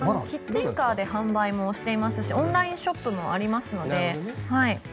キッチンカーで販売もしていますしオンラインショップもありますので。